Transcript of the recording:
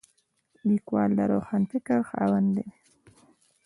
لیکوال د روښان فکر خاوند وي.